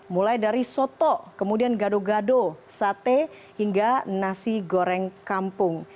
mulai dari soto kemudian gado gado sate hingga nasi goreng kampung